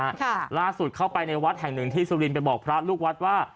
ค่ะล่าสุดเข้าไปในวัดแห่งหนึ่งที่สุรินไปบอกพระลูกวัดว่า